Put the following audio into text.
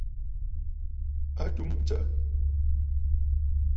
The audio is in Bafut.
A tum ɨtsə̀ʼə̀.